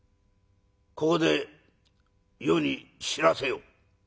ここで余に知らせよ」。